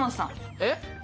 えっ？